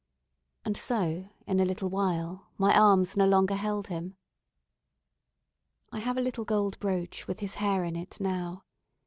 And so in a little while my arms no longer held him. I have a little gold brooch with his hair in it now.